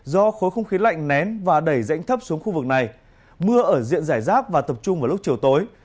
do khối không khí lạnh nén và đẩy rãnh thấp xuống khu vực này mưa ở diện giải rác và tập trung vào lúc chiều tối